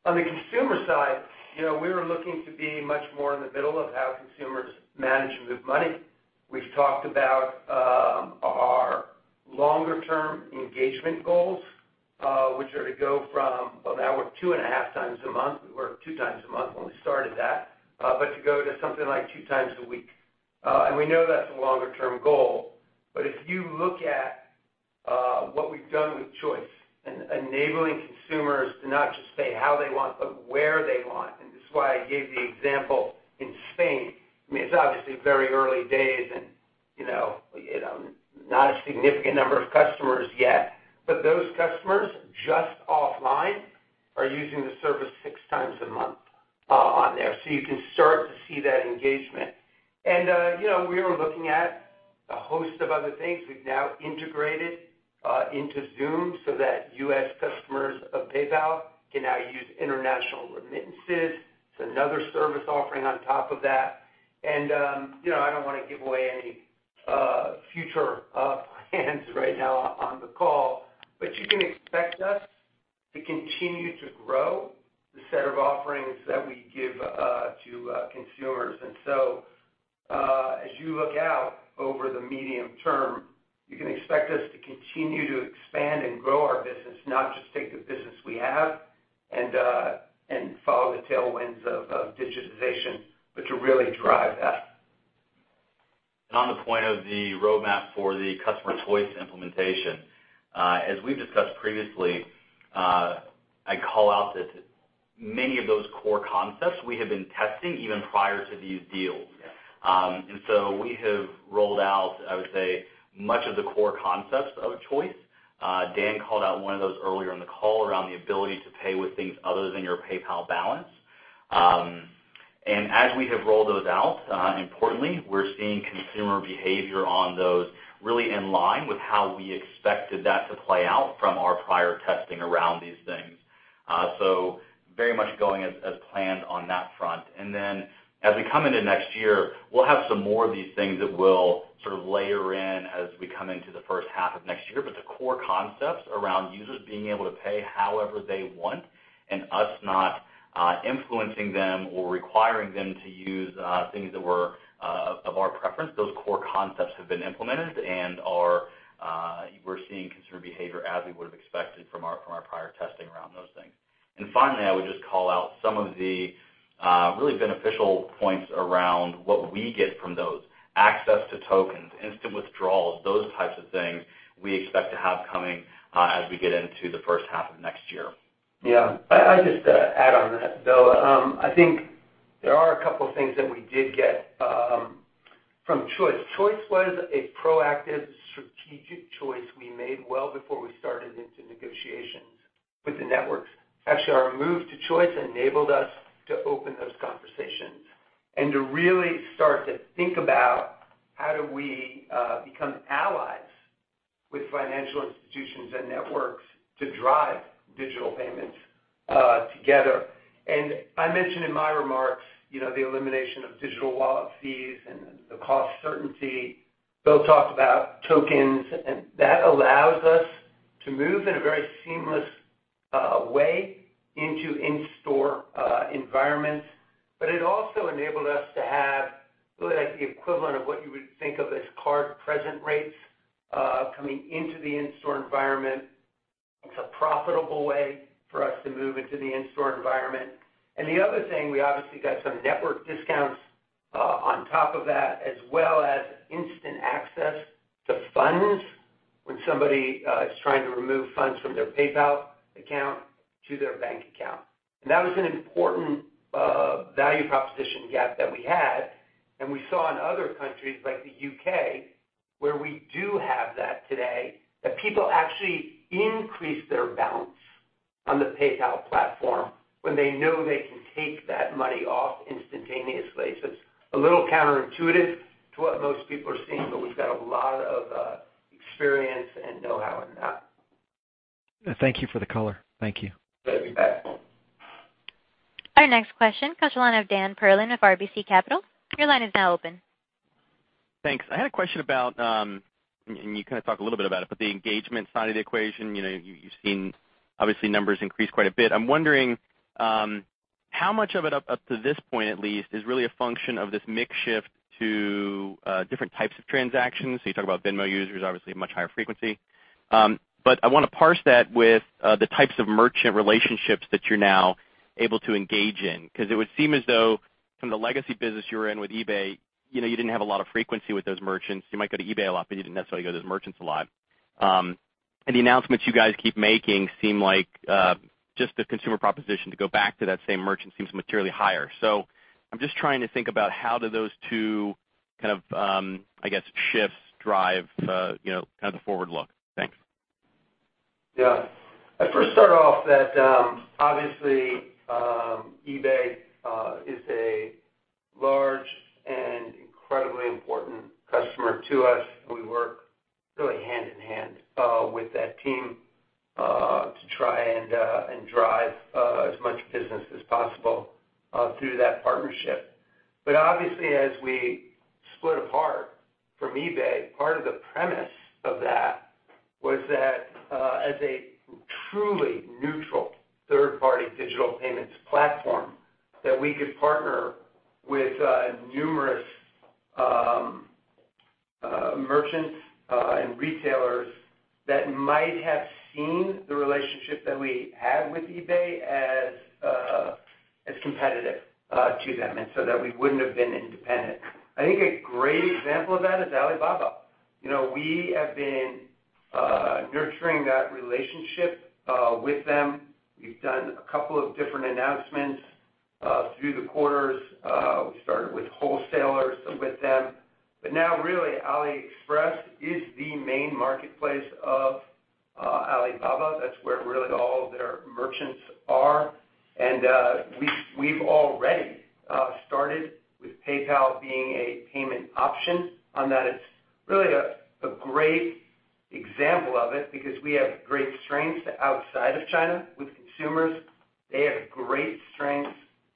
On the consumer side, we were looking to be much more in the middle of how consumers manage their money. We've talked about our longer-term engagement goals, which are to go from, well, now we're two and a half times a month. We were two times a month when we started that. To go to something like two times a week. We know that's a longer-term goal. If you look at what we've done with Choice, enabling consumers to not just pay how they want, but where they want, and this is why I gave the example in Spain. It's obviously very early days, and not a significant number of customers yet. Those customers just offline are using the service six times a month on there. You can start to see that engagement. We are looking at a host of other things. We've now integrated into Xoom so that U.S. customers of PayPal can now use international remittances. It's another service offering on top of that. I don't want to give away any future plans right now on the call, you can expect us to continue to grow the set of offerings that we give to consumers. As you look out over the medium term, you can expect us to continue to expand and grow our business, not just take the business we have and follow the tailwinds of digitization, but to really drive that. On the point of the roadmap for the customer Choice implementation, as we've discussed previously, I call out that many of those core concepts we have been testing even prior to these deals. Yes. We have rolled out, I would say, much of the core concepts of Choice. Dan called out one of those earlier in the call around the ability to pay with things other than your PayPal balance. As we have rolled those out, importantly, we're seeing consumer behavior on those really in line with how we expected that to play out from our prior testing around these things. Very much going as planned on that front. As we come into next year, we'll have some more of these things that we'll sort of layer in as we come into the first half of next year. The core concepts around users being able to pay however they want and us not influencing them or requiring them to use things that were of our preference, those core concepts have been implemented and we're seeing consumer behavior as we would've expected from our prior testing around those things. Finally, I would just call out some of the really beneficial points around what we get from those. Access to tokens, instant withdrawals, those types of things we expect to have coming as we get into the first half of next year. Yeah. I just add on that, Bill. I think there are a couple of things that we did get from Choice. Choice was a proactive strategic choice we made well before we started into negotiations with the networks. Actually, our move to Choice enabled us to open those conversations and to really start to think about how do we become allies with financial institutions and networks to drive digital payments together. I mentioned in my remarks the elimination of digital wallet fees and the cost certainty. Bill talked about tokens, and that allows us to move in a very seamless way into in-store environments. It also enabled us to have really the equivalent of what you would think of as card-present rates coming into the in-store environment. It's a profitable way for us to move into the in-store environment. The other thing, we obviously got some network discounts on top of that, as well as instant access to funds when somebody is trying to remove funds from their PayPal account to their bank account. That was an important value proposition gap that we had, and we saw in other countries like the U.K., where we do have that today, that people actually increase their balance on the PayPal platform when they know they can take that money off instantaneously. It's a little counterintuitive to what most people are seeing, but we've got a lot of experience and know-how in that. Thank you for the color. Thank you. You bet. Our next question comes on line of Dan Perlin of RBC Capital. Your line is now open. Thanks. I had a question about, and you kind of talked a little bit about it, but the engagement side of the equation. You've seen obviously numbers increase quite a bit. I'm wondering how much of it up to this point at least is really a function of this mix shift to different types of transactions. You talk about Venmo users obviously have much higher frequency. I want to parse that with the types of merchant relationships that you're now able to engage in. It would seem as though from the legacy business you were in with eBay, you didn't have a lot of frequency with those merchants. You might go to eBay a lot, but you didn't necessarily go to those merchants a lot. The announcements you guys keep making seem like just the consumer proposition to go back to that same merchant seems materially higher. I'm just trying to think about how do those two, I guess, shifts drive the forward look. Thanks. Yeah. I first start off that obviously eBay is a large and incredibly important customer to us, and we work really hand-in-hand with that team to try and drive as much business as possible through that partnership. Obviously, as we split apart from eBay, part of the premise of that was that as a truly neutral third-party digital payments platform, that we could partner with numerous merchants and retailers that might have seen the relationship that we had with eBay as competitive to them, that we wouldn't have been independent. I think a great example of that is Alibaba. We have been nurturing that relationship with them. We've done a couple of different announcements through the quarters. We started with wholesalers with them. Now really, AliExpress is the main marketplace of Alibaba. That's where really all of their merchants are. We've already started with PayPal being a payment option on that. It's really a great example of it because we have great strengths outside of China with consumers. They have great strengths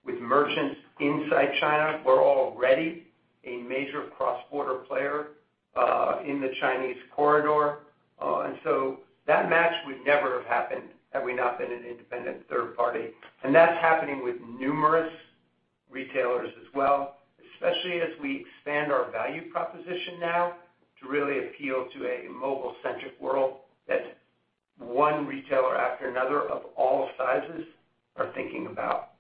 with merchants inside China. We're already a major cross-border player in the Chinese corridor. That match would never have happened had we not been an independent third party. That's happening with numerous retailers as well, especially as we expand our value proposition now to really appeal to a mobile-centric world that one retailer after another of all sizes are thinking about.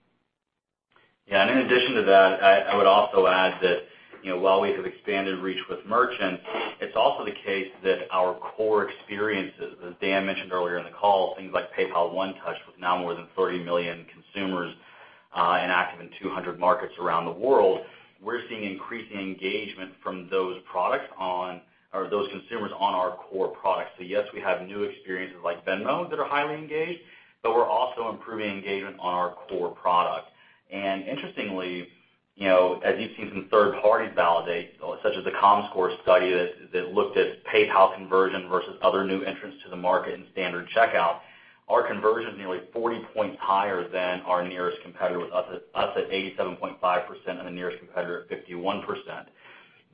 Yeah, and in addition to that, I would also add that while we have expanded reach with merchants, it's also the case that our core experiences, as Dan mentioned earlier in the call, things like PayPal One Touch with now more than 30 million consumers and active in 200 markets around the world, we're seeing increasing engagement from those consumers on our core products. Yes, we have new experiences like Venmo that are highly engaged, but we're also improving engagement on our core product. Interestingly, as you've seen some third parties validate, such as the comScore study that looked at PayPal conversion versus other new entrants to the market in standard checkout, our conversion is nearly 40 points higher than our nearest competitor, with us at 87.5% and the nearest competitor at 51%.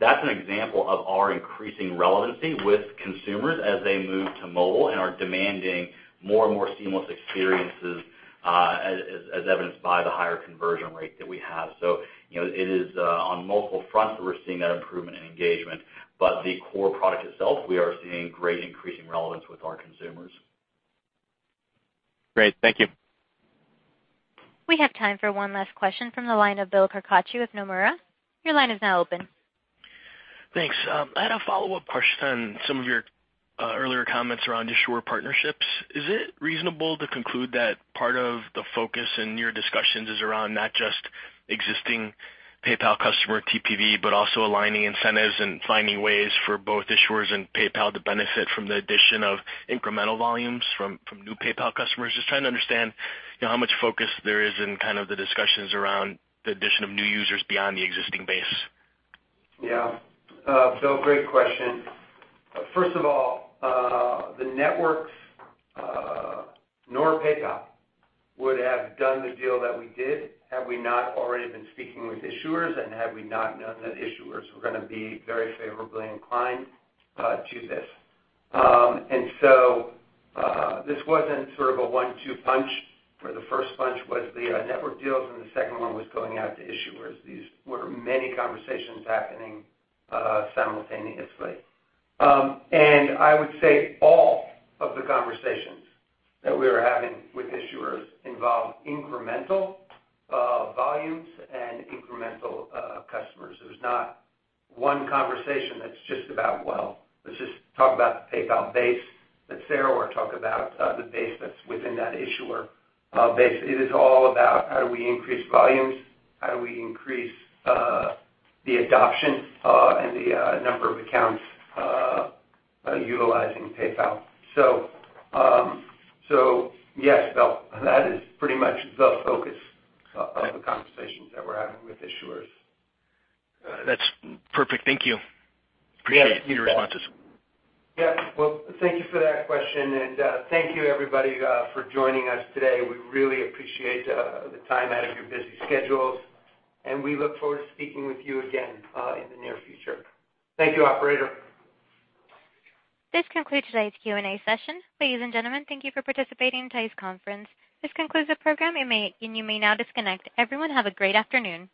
That's an example of our increasing relevancy with consumers as they move to mobile and are demanding more and more seamless experiences as evidenced by the higher conversion rate that we have. It is on multiple fronts that we're seeing that improvement in engagement. The core product itself, we are seeing great increasing relevance with our consumers. Great. Thank you. We have time for one last question from the line of Bill Carcache with Nomura. Your line is now open. Thanks. I had a follow-up question on some of your earlier comments around issuer partnerships. Is it reasonable to conclude that part of the focus in your discussions is around not just existing PayPal customer TPV, but also aligning incentives and finding ways for both issuers and PayPal to benefit from the addition of incremental volumes from new PayPal customers? Just trying to understand how much focus there is in the discussions around the addition of new users beyond the existing base. Yeah. Bill, great question. First of all, the networks nor PayPal would have done the deal that we did had we not already been speaking with issuers and had we not known that issuers were gonna be very favorably inclined to this. This wasn't sort of a one-two punch, where the first punch was the network deals and the second one was going out to issuers. These were many conversations happening simultaneously. I would say all of the conversations that we were having with issuers involved incremental volumes and incremental customers. There's not one conversation that's just about, well, let's just talk about the PayPal base that Sarah will talk about, the base that's within that issuer base. It is all about how do we increase volumes, how do we increase the adoption and the number of accounts utilizing PayPal. Yes, Bill, that is pretty much the focus of the conversations that we're having with issuers. That's perfect. Thank you. Appreciate your responses. Yeah. Well, thank you for that question, and thank you everybody for joining us today. We really appreciate the time out of your busy schedules, and we look forward to speaking with you again in the near future. Thank you, operator. This concludes today's Q&A session. Ladies and gentlemen, thank you for participating in today's conference. This concludes the program, and you may now disconnect. Everyone, have a great afternoon.